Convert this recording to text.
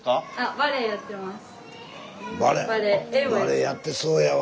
バレエやってそうやわ。